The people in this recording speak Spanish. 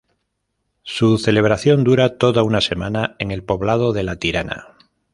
Su celebración dura toda una semana en el poblado de La Tirana.